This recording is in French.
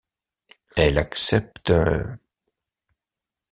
Elle accepte...